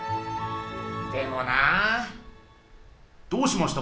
でもなぁ。どうしました？